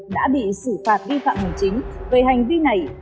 đã bị xử phạt vi phạm hành chính về hành vi này